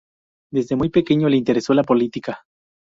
Desde muy pequeño le interesó la política.